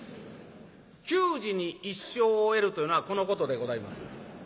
給仕に一生を得るというのはこのことでございます。